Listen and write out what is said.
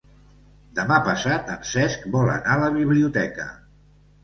Demà passat en Cesc vol anar a la biblioteca.